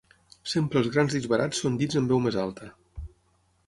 Sempre els grans disbarats són dits amb veu més alta.